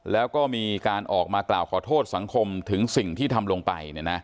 แล้วก็มีการออกมากล่าวขอโทษสังคมถึงสิ่งที่ทำลงไป